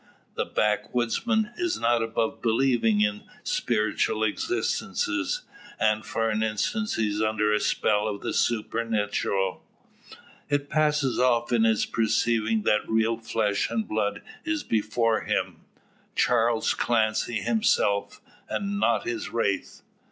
The backwoodsman is not above believing in spiritual existences, and for an instant he is under a spell of the supernatural. It passes off on his perceiving that real flesh and blood is before him Charles Clancy himself, and not his wraith.